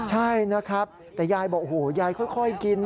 ใช่นะครับแต่ยายบอกโอ้โหยายค่อยกิน